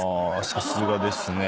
さすがですね。